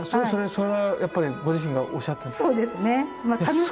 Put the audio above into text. それはやっぱりご自身がおっしゃってたんですか？